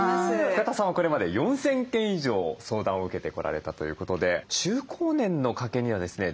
深田さんはこれまで４，０００件以上相談を受けてこられたということで中高年の家計にはですね